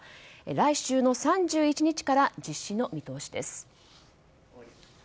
来週の３１日から実施の見通しです。